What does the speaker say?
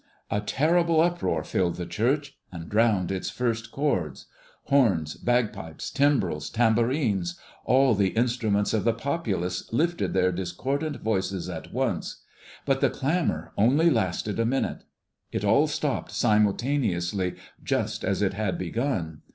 A terrible uproar filled the church and drowned its first chords. Horns, bagpipes, timbrels, tambourines, all the instruments of the populace lifted their discordant voices at once. But the clamor only lasted a minute. It all stopped simultaneously, just as it had begun.